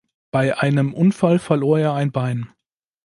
Bei einem Unfall verlor er ein Bein.